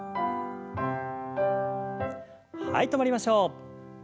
はい止まりましょう。